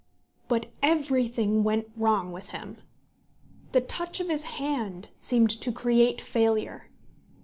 But everything went wrong with him. The touch of his hand seemed to create failure.